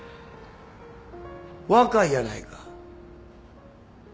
若いやないか。